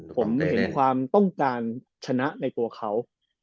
ผมเห็นความต้องการชนะในตัวเขา